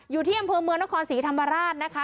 อยู่ที่อำเภอเมืองนครศรีธรรมราชนะคะ